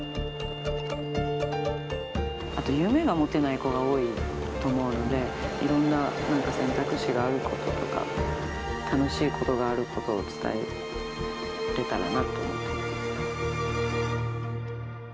あと、夢が持てない子が多いと思うので、いろんな、なんか選択肢があることとか、楽しいことがあることを伝えれたらなと思っています。